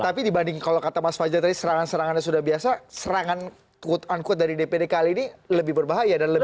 tapi dibanding kalau kata mas fajar tadi serangan serangannya sudah biasa serangan quote unquote dari dpd kali ini lebih berbahaya dan lebih